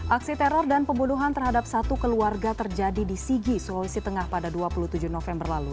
aksi teror dan pembunuhan terhadap satu keluarga terjadi di sigi sulawesi tengah pada dua puluh tujuh november lalu